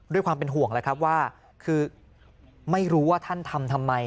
ด้วยความเป็นห่วงแล้วครับว่าคือไม่รู้ว่าท่านทำทำไม